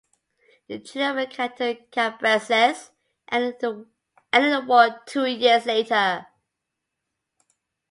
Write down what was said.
The Treaty of Cateau-Cambresis ended the war two years later.